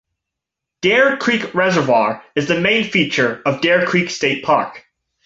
Deer Creek Reservoir is the main feature of Deer Creek State Park.